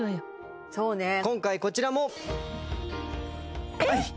今回こちらもはい！